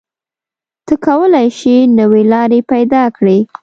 ته کولی شې نوې لارې پیدا کړې.